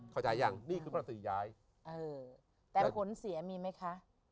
เข้าใจยังนี่คือภาษีย้ายเออแต่ผลเสียมีไหมคะ